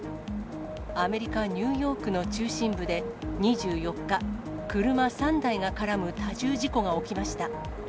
アメリカ・ニューヨークの中心部で、２４日、車３台が絡む多重事故が起きました。